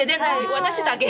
私だけ。